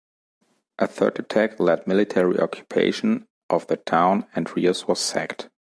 A third attack led military occupation of the town and Reus was sacked.